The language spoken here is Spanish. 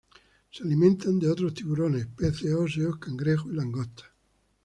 Se alimentan de otros tiburones, peces óseos, cangrejos, y langostas.